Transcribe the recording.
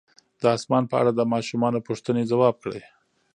د اسمان په اړه د ماشومانو پوښتنې ځواب کړئ.